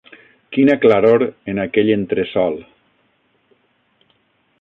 Quina claror en aquell entresol